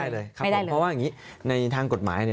ไม่ได้เลยครับผมเพราะว่าอย่างนี้ในทางกฎหมาย